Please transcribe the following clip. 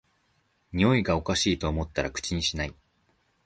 においがおかしいと思ったら口にしない